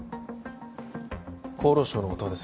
厚労省の音羽です